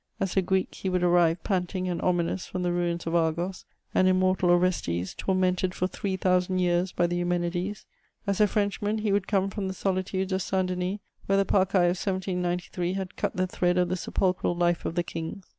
As a Greek, he would arrive, panting and ominous, from the ruins of Argos, an immortal Orestes, tormented for three thousand years by the Eumenides; as a Frenchman, he would come from the solitudes of Saint Denis, where the Parcæ of 1793 had cut the thread of the sepulchral life of the Kings.